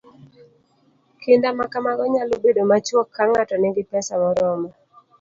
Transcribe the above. Kinda ma kamago nyalo bedo machuok ka ng'ato nigi pesa moromo